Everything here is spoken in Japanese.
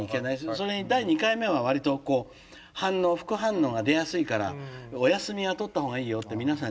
それに第２回目は割とこう反応副反応が出やすいからお休みは取った方がいいよって皆さんに言われるんで。